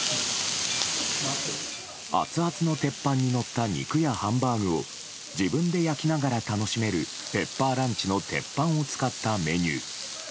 熱々の鉄板にのった肉やハンバーグを自分で焼きながら楽しめるペッパーランチの鉄板を使ったメニュー。